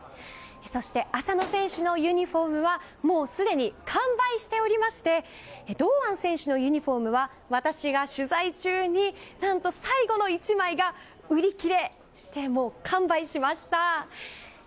そして、浅野選手のユニホームはもうすでに完売しておりまして堂安選手のユニホームは私が取材中に何と最後の１枚が売り切れて完売しました。